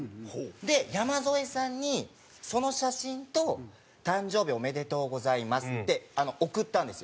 で山添さんにその写真と誕生日おめでとうございますって送ったんですよ。